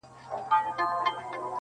• مزه اخلي هم له سپکو هم ښکنځلو -